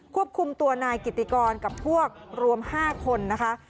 ควบคุมตัวนายกิติกรกับพวกรวม๕คนนะคะ